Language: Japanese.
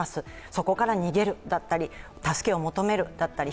そこから逃げるだったり助けを求めるだったり、